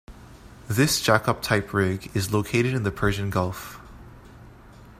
This jackup type rig is located in the Persian Gulf.